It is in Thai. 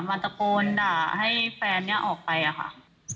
มันตะโกนด่าให้แฟนนี้ออกไปค่ะ